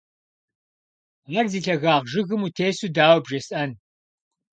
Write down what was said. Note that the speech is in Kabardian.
Ар зи лъэгагъ жыгым утесу дауэ бжесӀэн?